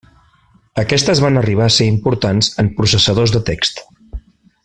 Aquestes van arribar a ser importants en processadors de text.